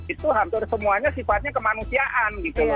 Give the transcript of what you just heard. itu hamdur semuanya sifatnya kemanusiaan gitu